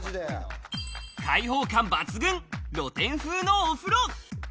開放感抜群、露天風のお風呂。